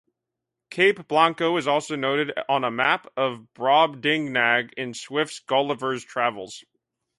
Cape Blanco is also noted on a map of Brobdingnag in Swift's "Gulliver's Travels".